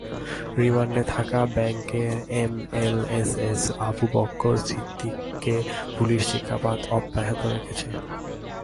রিমান্ডে থাকা ব্যাংকের এমএলএসএস আবু বক্কর সিদ্দিককে পুলিশ জিজ্ঞাসাবাদ অব্যাহত রেখেছে।